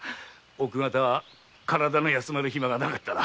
奥方は体の休まる暇がなかったな。